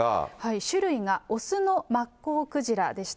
種類が雄のマッコウクジラでした。